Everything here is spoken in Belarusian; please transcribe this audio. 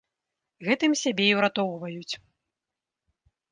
Гэтым сябе і ўратоўваюць.